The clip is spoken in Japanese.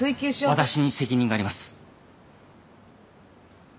私に責任があります。